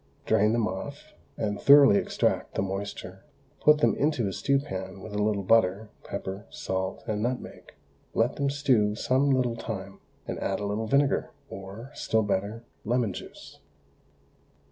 Drain them off, and thoroughly extract the moisture; put them into a stew pan, with a little butter, pepper, salt, and nutmeg. Let them stew some little time, and add a little vinegar, or, still better, lemon juice.